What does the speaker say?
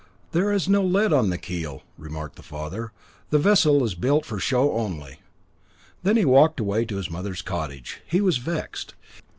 "There is no lead on the keel," remarked the father. "The vessel is built for show only." Then he walked away to his mother's cottage. He was vexed.